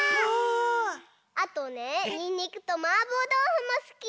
あとねにんにくとマーボーどうふもすき！